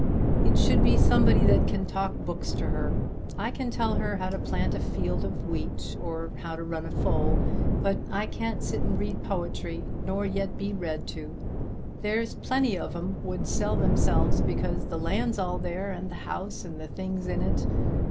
It should be somebody that can talk books to her. I can tell her how to plant a field of wheat or how to run a foal; but I can't sit and read poetry, nor yet be read to. There's plenty of 'em would sell themselves because the land's all there, and the house, and the things in it.